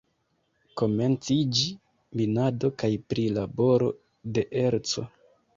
Komenciĝis minado kaj prilaboro de erco.